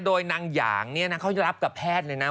โดยนางหย่างเขารับกับแพทย์เลยนะ